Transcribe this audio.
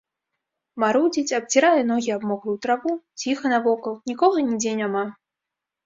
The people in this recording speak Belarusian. Марудзіць, абцірае ногі аб мокрую траву, ціха навокал, нікога нідзе няма.